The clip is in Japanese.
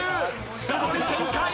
すごい展開！